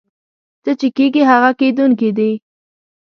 څه چې کېږي هغه کېدونکي دي.